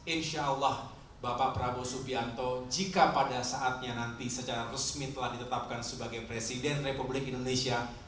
insya allah bapak prabowo subianto jika pada saatnya nanti secara resmi telah ditetapkan sebagai presiden republik indonesia